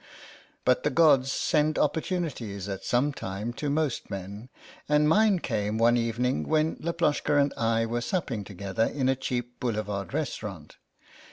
But the gods send opportunities at some time to most men, and mine came one evening when Laploshka and I were supping together in a cheap boulevard restaurant.